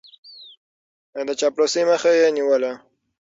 د چاپلوسۍ مخه يې نيوله.